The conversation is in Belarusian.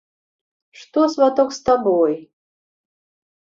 Што, сваток, з табой?